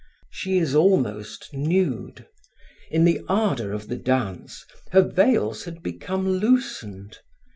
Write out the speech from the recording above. She is almost nude. In the ardor of the dance, her veils had become loosened.